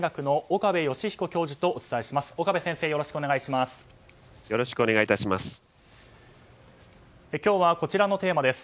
岡部先生、よろしくお願いします。